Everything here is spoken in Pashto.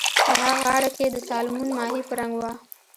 د هغه غاړه کۍ د سالمون ماهي په رنګ وه